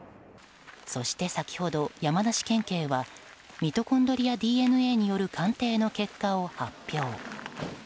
そして先ほど、山梨県警はミトコンドリアＤＮＡによる鑑定の結果を発表。